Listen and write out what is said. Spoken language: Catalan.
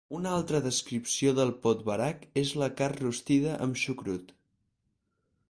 Una altra descripció del podvarak és la carn rostida amb xucrut.